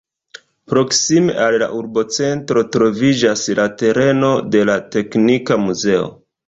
Proksime al la urbocentro troviĝas la tereno de la teknika muzeo.